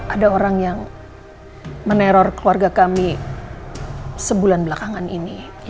ada orang yang meneror keluarga kami sebulan belakangan ini